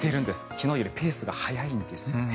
昨日よりペースが速いんですよね。